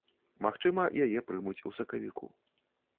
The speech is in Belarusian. Магчыма, яе прымуць ў сакавіку.